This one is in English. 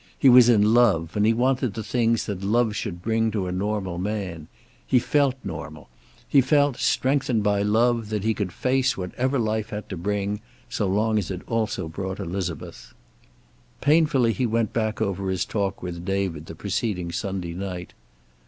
He was in love, and he wanted the things that love should bring to a normal man. He felt normal. He felt, strengthened by love, that he could face whatever life had to bring, so long as also it brought Elizabeth. Painfully he went back over his talk with David the preceding Sunday night.